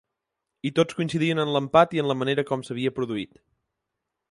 I tots coincidien en l’empat i en la manera com s’havia produït.